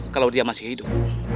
kalau dia masih hidup